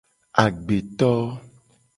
Agbeto.